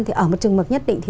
thì ở một trường mực nhất định